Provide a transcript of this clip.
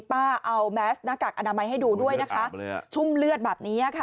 ป้าเอาแมสหน้ากากอนามัยให้ดูด้วยนะคะชุ่มเลือดแบบนี้ค่ะ